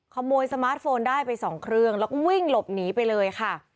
สมาร์ทโฟนได้ไปสองเครื่องแล้วก็วิ่งหลบหนีไปเลยค่ะ